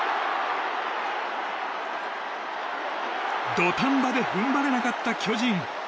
土壇場で踏ん張れなかった巨人。